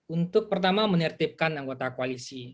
untuk pertama menertibkan anggota koalisi